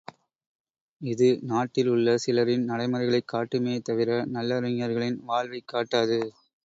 இது நாட்டில் உள்ள சிலரின் நடைமுறைகளைக் காட்டுமே தவிர, நல்லறிஞர்களின் வாழ்வைக் காட்டாது.